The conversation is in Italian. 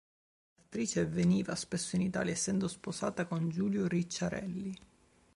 L'attrice veniva spesso in Italia, essendo sposata con Giulio Ricciarelli.